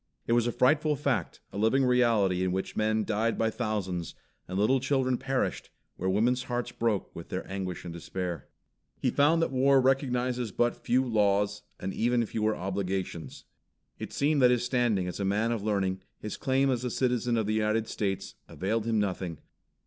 It was a frightful fact, a living reality in which men died by thousands, and little children perished, where women's hearts broke with their anguish and despair. He found that War recognizes but few laws, and even fewer obligations. It seemed that his standing as a man of learning, his claim as a citizen of the United States, availed him nothing.